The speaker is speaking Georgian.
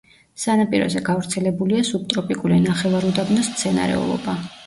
სანაპიროზე გავრცელებულია სუბტროპიკული ნახევარუდაბნოს მცენარეულობა.